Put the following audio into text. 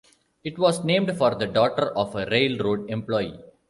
It was named for the daughter of a railroad employee.